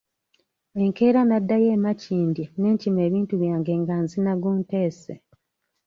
Enkeera naddayo e Makindye ne nkima ebintu byange nga nzina gunteese.